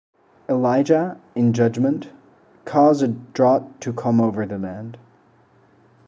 Elijah, in judgment, cause a drought to come over the land.